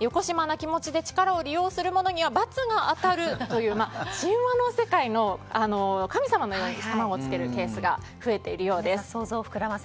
よこしまな気持ちで力を利用する者には罰が当たるという神話の世界の神様のように「様」を付けるケースが増えているようです。